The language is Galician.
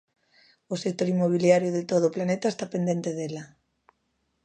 O sector inmobiliario de todo o planeta está pendente dela.